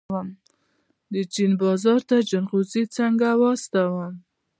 د چین بازار ته جلغوزي څنګه واستوم؟